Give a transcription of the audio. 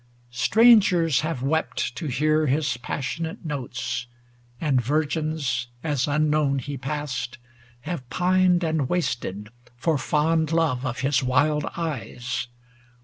60 Strangers have wept to hear his passionate notes. And virgins, as unknown he passed, have pined And wasted for fond love of his wild eyes.